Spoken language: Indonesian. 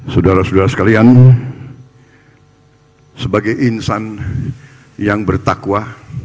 saudara saudara sekalian sebagai insan yang bertakwa